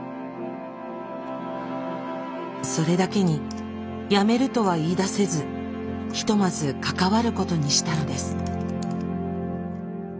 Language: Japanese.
それだけにやめるとは言いだせずひとまず関わることにしたのです。